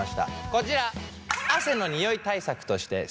こちら。